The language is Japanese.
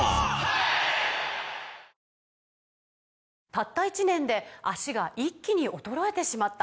「たった１年で脚が一気に衰えてしまった」